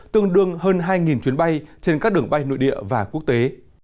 tương đương hơn hai chuyến bay trên các đường bay nội địa và quốc tế